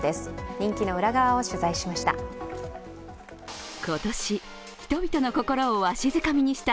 人気の裏側を取材しました。